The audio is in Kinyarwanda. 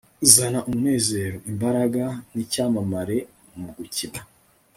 zana umunezero, imbaraga nicyamamare mugukina